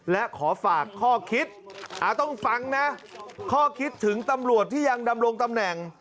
และขอฝากข้อคิดต้องฟังนะข้อคิดถึงตำรวจที่ยังดำรงตำแหน่ง